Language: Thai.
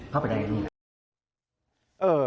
เข้าไปได้อย่างนี้